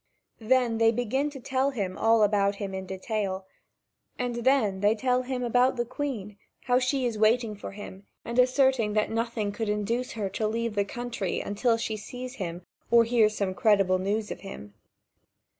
Then they begin to tell him all about him in detail, and then they tell him about the Queen, how she is waiting for him and asserting that nothing could induce her to leave the country, until she sees him or hears some credible news of him.